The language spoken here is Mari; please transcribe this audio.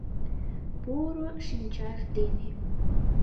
Поро шинчаж дене.